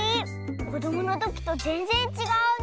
こどものときとぜんぜんちがうね。